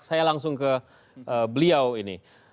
saya langsung ke beliau ini